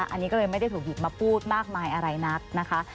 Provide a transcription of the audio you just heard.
อันนี้ก็เลยไม่ได้ถูกหยิบมาพูดมากมายอะไรนักนะคะ